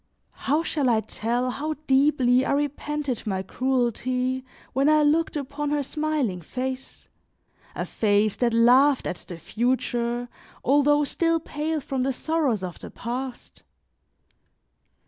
How shall I tell how deeply I repented my cruelty when I looked upon her smiling face, a face that laughed at the future, although still pale from the sorrows of the past!